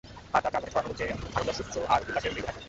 আর তাঁর চার পাশে ছড়ানো হচ্ছে আনন্দাশ্রু আর উল্লাসের মৃদু হাসি।